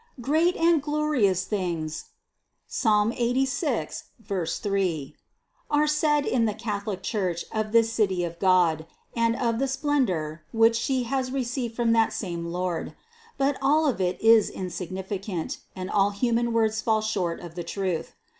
Great and (Ps. 86, 3) glorious things are said in the Catholic church of this City of God, and of the splendor, which She has received from that same Lord; but all of it is insignificant, and all human words fall short of the truth.